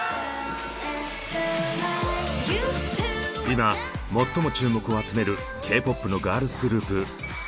今最も注目を集めるＫ−ＰＯＰのガールズグループＩＶＥ。